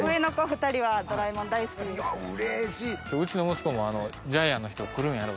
うちの息子も「ジャイアンの人来るんやろ？」